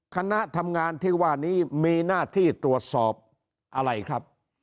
คณะทำงานที่ว่านี้มีหน้าที่ตรวจสอบอะไรครับ